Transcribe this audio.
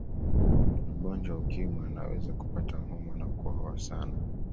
mgonjwa wa ukimwi anaweza kupata homa na kukohoa sana